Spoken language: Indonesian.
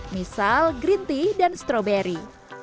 misal green tea dan stroberi